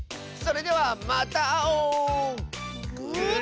それではまたあおう！